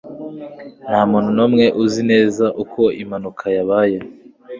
ntamuntu numwe uzi neza uko impanuka yabaye